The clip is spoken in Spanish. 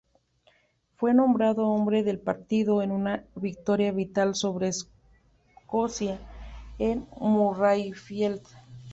Fue nombrado Hombre del Partido en una victoria vital sobre Escocia en Murrayfield.